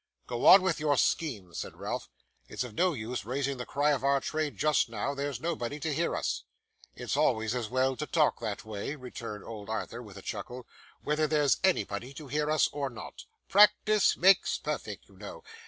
'Go on with your scheme,' said Ralph. 'It's of no use raising the cry of our trade just now; there's nobody to hear us!' 'It's always as well to talk that way,' returned old Arthur, with a chuckle, 'whether there's anybody to hear us or not. Practice makes perfect, you know.